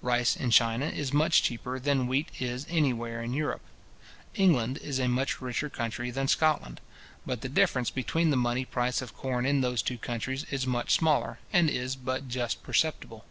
Rice in China is much cheaper than wheat is any where in Europe. England is a much richer country than Scotland, but the difference between the money price of corn in those two countries is much smaller, and is but just perceptible.